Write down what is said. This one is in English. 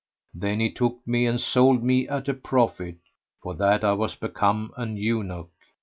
Then he took me and sold me at a profit, for that I was become an eunuch.